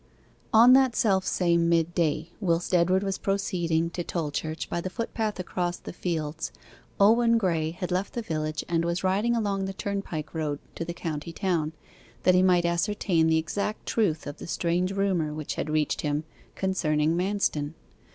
On that self same mid day, whilst Edward was proceeding to Tolchurch by the footpath across the fields, Owen Graye had left the village and was riding along the turnpike road to the county town, that he might ascertain the exact truth of the strange rumour which had reached him concerning Manston.